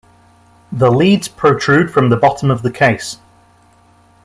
The leads protrude from the bottom of the case.